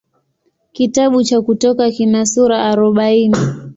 Kitabu cha Kutoka kina sura arobaini.